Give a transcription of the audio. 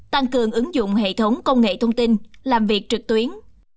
tăng cường ứng dụng hệ thống công nghệ thông tin làm việc trực tuyến